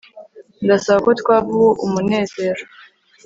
ndasaba ko twava ubu, munezero